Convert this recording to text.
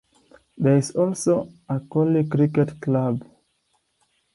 There is also a Coaley Cricket Club.